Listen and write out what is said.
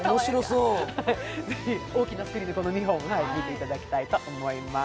ぜひ大きなスクリーンでこの２本、ご覧いただきたいと思います。